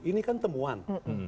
ini kan temuan